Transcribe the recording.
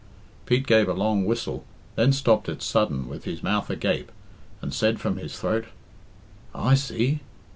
Pete gave a long whistle, then stopped it sudden with his mouth agape, and said from his throat, "I see."